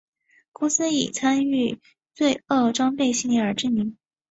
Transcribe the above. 公司以参与罪恶装备系列而知名。